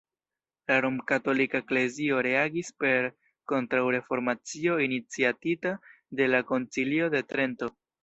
La Romkatolika Eklezio reagis per Kontraŭreformacio iniciatita de la Koncilio de Trento.